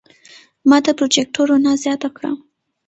ما د پروجیکتور رڼا زیاته کړه.